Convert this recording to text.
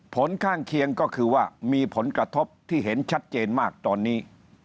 ผลข้างเคียงก็คือว่ามีผลกระทบที่เห็นชัดเจนมากตอนนี้